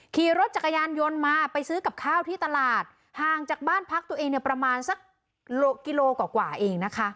ขี่รถจักรยานยนต์มาไปซื้อกับข้าวที่ตลาดห่างจากบ้านพักตัวเองเนี่ยประมาณสักกิโลกว่าเองนะคะ